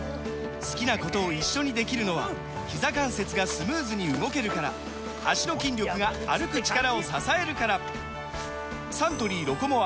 好きなことを一緒にできるのはひざ関節がスムーズに動けるから脚の筋力が歩く力を支えるからサントリー「ロコモア」！